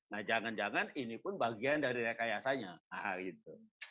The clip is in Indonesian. nah jangan jangan ini pun bagian dari rekayasanya gitu